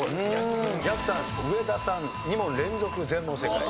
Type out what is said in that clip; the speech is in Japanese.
やくさん上田さん２問連続全問正解。